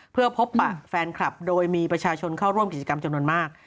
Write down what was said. เพื่อพบปะแฟนคลับโดยมีประชาชนเข้าร่วมกิจกรรมจำนวนมาก